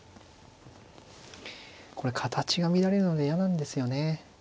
これ形が乱れるので嫌なんですよね。